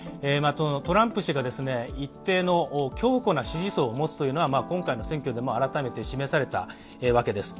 トランプ氏が一定の強固な支持層を持つというのは、今回の選挙でも改めて示されたわけです。